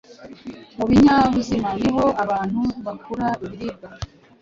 Mu binyabuzima ni ho abantu bakura ibiribwa,